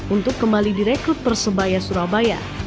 untuk kembali direkrut persebaya surabaya